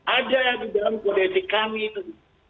ada yang di dalam kode etik kami itu